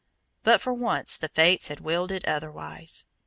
But for once the fates had willed it otherwise.